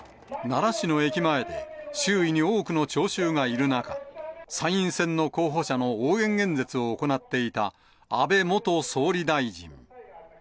奈良市の駅前で、周囲に多くの聴衆がいる中、参院選の候補者の応援演説を行っていた安倍元総理大臣。